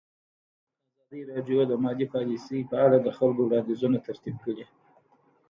ازادي راډیو د مالي پالیسي په اړه د خلکو وړاندیزونه ترتیب کړي.